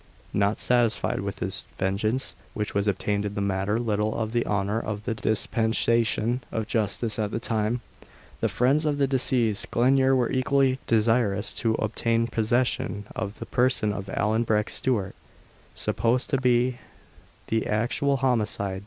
Not satisfied with this vengeance, which was obtained in a manner little to the honour of the dispensation of justice at the time, the friends of the deceased Glenure were equally desirous to obtain possession of the person of Allan Breck Stewart, supposed to be the actual homicide.